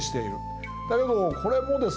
だけどこれもですね